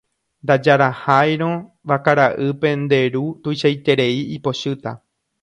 Ndajaraháirõ vakara'ýpe nde ru tuichaiterei ipochýta.